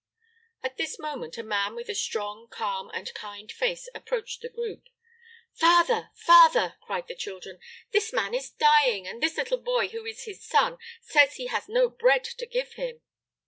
At this moment a man with a strong, calm, and kind face approached the group. "Father, father," cried the children, "this man is dying, and this little boy, who is his son, says he has no bread to give him."